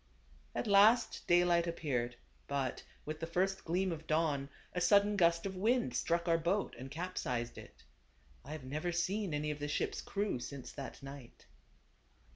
At last daylight appeared ; but, with the first gleam of dawn, a sudden gust of wind struck our boat, and capsized it. I have never seen any of the ship's crew since that night.